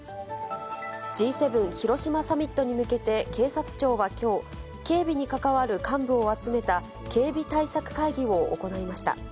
Ｇ７広島サミットに向けて警察庁はきょう、警備に関わる幹部を集めた警備対策会議を行いました。